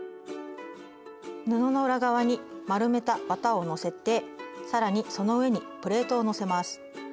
布の裏側に丸めた綿をのせて更にその上にプレートをのせます。